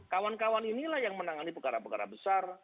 kawan kawan inilah yang menangani perkara perkara besar